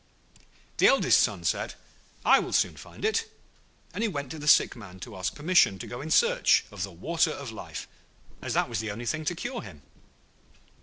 The eldest son said, 'I will soon find it'; and he went to the sick man to ask permission to go in search of the Water of Life, as that was the only thing to cure him.